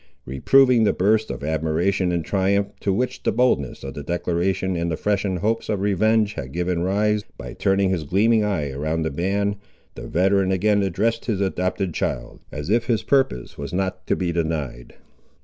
Reproving the burst of admiration and triumph, to which the boldness of the declaration, and the freshened hopes of revenge had given rise, by turning his gleaming eye around the band, the veteran again addressed his adopted child, as if his purpose was not to be denied.